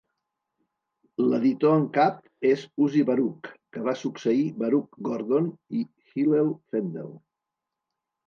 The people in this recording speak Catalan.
L'editor en cap és Uzi Baruch, que va succeir Baruch Gordon i Hillel Fendel.